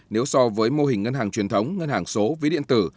nếu so với mô hình ngân hàng truyền thống ngân hàng số ví điện tử